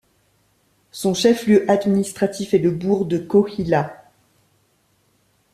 Son chef-lieu administratif est le bourg de Kohila.